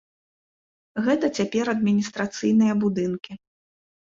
Гэта цяпер адміністрацыйныя будынкі.